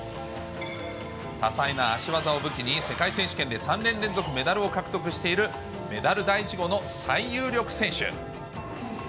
多彩な足技を武器に世界選手権で３年連続メダルを獲得している、メダル第１号の最有力選手。